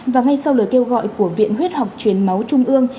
và ngay sau lời kêu gọi của viện huyết học truyền máu trung ương